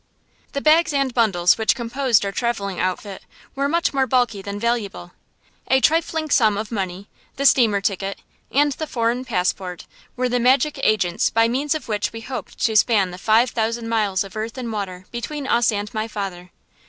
The bags and bundles which composed our travelling outfit were much more bulky than valuable. A trifling sum of money, the steamer ticket, and the foreign passport were the magic agents by means of which we hoped to span the five thousand miles of earth and water between us and my father.